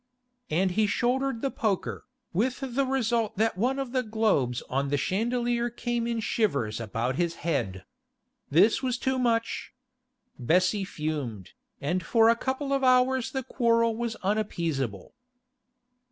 And he shouldered the poker, with the result that one of the globes on the chandelier came in shivers about his head. This was too much. Bessie fumed, and for a couple of hours the quarrel was unappeasable.